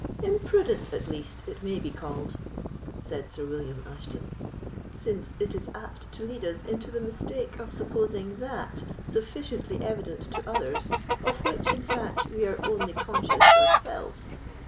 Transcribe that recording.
"Imprudent, at least, it may be called," said Sir William Ashton, "since it is apt to lead us into the mistake of supposing that sufficiently evident to others of which, in fact, we are only conscious ourselves.